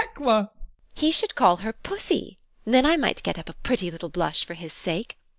TEKLA. He should call her Pussy then I might get up a pretty little blush for his sake.